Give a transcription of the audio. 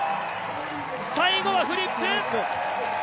最後はフリップ！